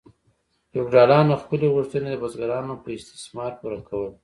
فیوډالانو خپلې غوښتنې د بزګرانو په استثمار پوره کولې.